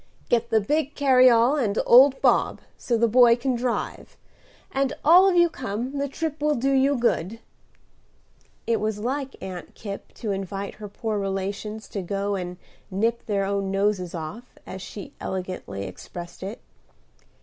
"Get the big carryall and old Bob, so the boy can drive, and all of you come; the trip will do you good." It was like Aunt Kipp to invite her poor relations to go and "nip their own noses off," as she elegantly expressed it.